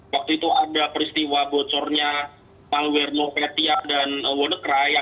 waktu itu ada peristiwa bocornya malware novetia dan wodecry